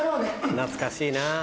懐かしいな。